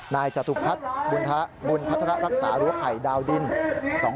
จตุพัฒน์บุญพัฒระรักษาหรือว่าภัยดาวดิน